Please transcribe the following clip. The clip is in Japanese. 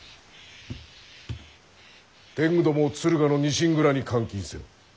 天狗どもを敦賀のニシン蔵に監禁せよ。